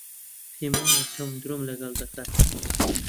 پێم وایە تۆم درۆم لەگەڵ دەکات.